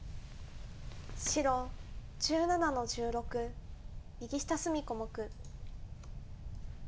白１７の十六右下隅小目。